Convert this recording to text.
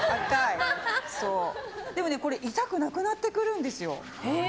でも痛くなくなってくるんですよ。